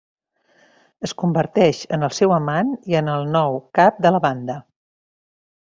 Es converteix en el seu amant i en el nou cap de la banda.